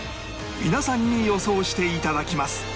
皆さんに予想していただきます